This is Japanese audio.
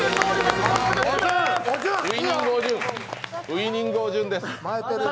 ウイニングおじゅんです。